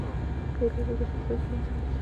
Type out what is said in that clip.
کېله د زړه د سوځېدو مخه نیسي.